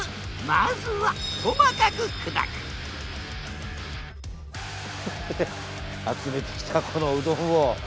まずは細かく砕く集めてきたこのうどんを。